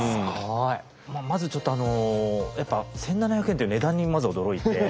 まずちょっとあのやっぱ１，７００円という値段に驚いて。